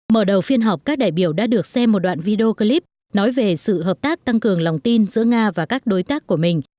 mở đầu phiên họp các đại biểu đã được xem một đoạn video clip nói về sự hợp tác tăng cường lòng tin giữa nga và các đối tác của mình